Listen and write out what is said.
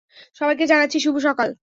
সবাইকে জানাচ্ছি, শুভ সকাল!